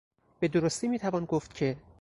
به درستی میتوان گفت که...